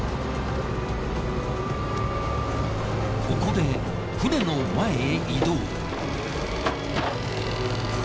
ここで船の前へ移動。